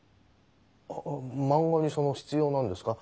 ああ漫画にその必要なんですか？